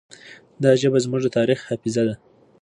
دا ژبه زموږ د تاریخ حافظه ده.